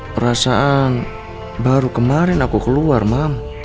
perasaan baru kemarin aku keluar mam